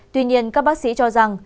tuy nhiên các bác sĩ cho rằng